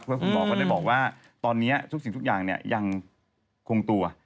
เพราะคุณพอล์ก็ได้บอกว่าตอนนี้ทุกสิ่งยังคงตัว